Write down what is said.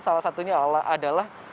salah satunya adalah